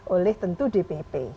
oleh tentu dpp